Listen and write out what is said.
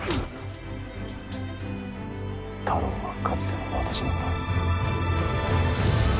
太郎はかつての私なんだ。